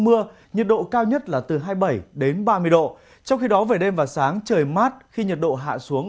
mưa nhiệt độ cao nhất là từ hai mươi bảy đến ba mươi độ trong khi đó về đêm và sáng trời mát khi nhiệt độ hạ xuống